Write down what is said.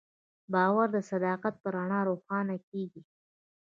باور د صداقت په رڼا روښانه کېږي.